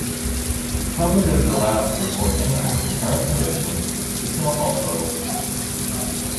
The public is allowed to report anything from current conditions to snowfall totals.